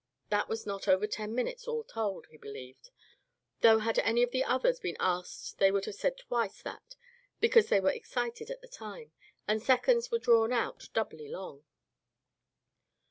That was not over ten minutes all told, he believed, though had any of the others been asked they would have said twice that because they were excited at the time, and seconds were drawn out doubly long.